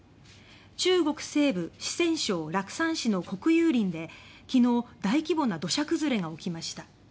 中国西部・四川省楽山市の国有林で昨日大規模な土砂崩れが起きました。